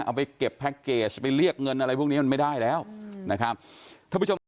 เอาไปเก็บแพคเกจไปเรียกเงินอะไรพวกนี้มันไม่ได้แล้วอืมนะครับ